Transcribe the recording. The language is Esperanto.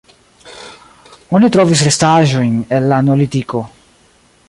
Oni trovis restaĵojn el la neolitiko.